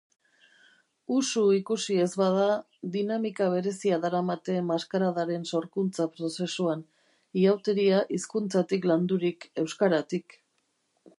Usu ikusi ez bada, dinamika berezia daramate maskaradaren sorkuntza prozesuan, ihauteria hizkuntzatik landurik, euskaratik.